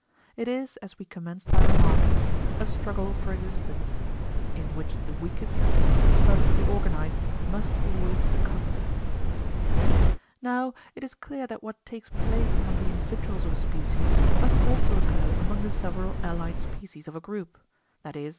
It is, as we commenced by remarking, "a struggle for existence," in [[p. 57]] which the weakest and least perfectly organized must always succumb. Now it is clear that what takes place among the individuals of a species must also occur among the several allied species of a group, viz.